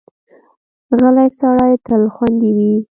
غلی سړی تل خوندي وي.